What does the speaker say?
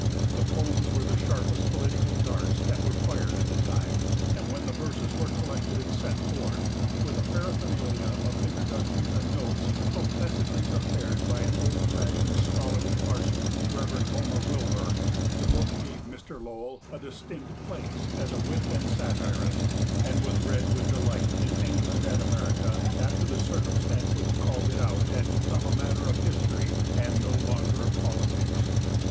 The poems were the sharpest political darts that were fired at the time, and when the verses were collected and set forth, with a paraphernalia of introductions and notes professedly prepared by an old fashioned, scholarly parson, Rev. Homer Wilbur, the book gave Mr. Lowell a distinct place as a wit and satirist, and was read with delight in England and America after the circumstance which called it out had become a matter of history and no longer of politics.